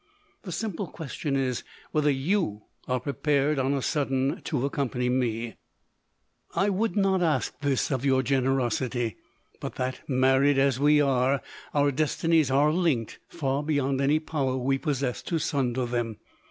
The simple ques tion is, whether you are prepared on a sudden to accompany me ? I would not ask this of your generosity, but that, married as we are, our des tinies are linked, far beyond any power we pos sess to sunder them.